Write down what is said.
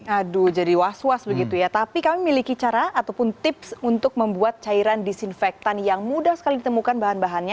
aduh jadi was was begitu ya tapi kami miliki cara ataupun tips untuk membuat cairan disinfektan yang mudah sekali ditemukan bahan bahannya